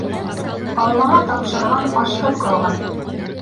Аллаға тапшырған ашһыҙ ҡалған.